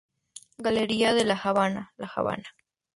Galería de La Habana, La Habana.